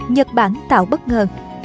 nhật bản tạo bất ngờ